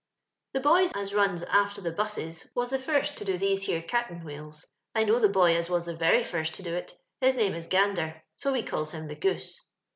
The boys aaruna after the hqsaes was the first to do these here oat'an wliaela. I know the h(7 as was the reiy font to do It Hii name ia Gander, ao we caUs him the Oooae.